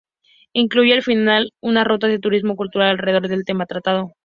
Incluyen, al final, unas rutas de turismo cultural, alrededor del tema tratado.